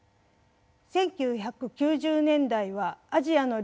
１９９０年代はアジアの料理